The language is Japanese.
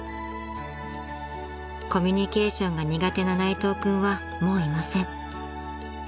［コミュニケーションが苦手な内藤君はもういません］